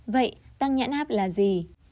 vậy tăng nhãn áp là gì